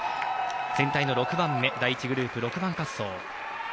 全体の６番目第１グループ６番滑走。